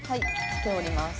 来ております。